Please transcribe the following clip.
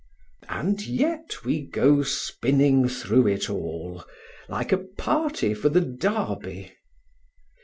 And yet we go spinning through it all, like a party for the Derby.